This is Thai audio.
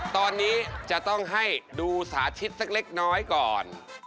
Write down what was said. ตอนนี้จะต้องให้ดูสาธิตสักเล็กน้อยก่อน